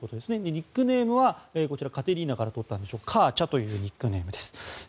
ニックネームはこちらカテリーナから取ったんでしょうかカーチャというニックネームです。